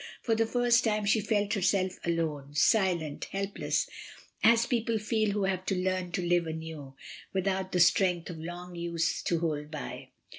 For the first time she felt herself alone, silent, helpless, as people feel who have to learn to live anew, without the strength of long use to hold by.